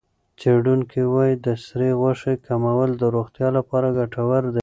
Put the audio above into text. څېړونکي وايي د سرې غوښې کمول د روغتیا لپاره ګټور دي.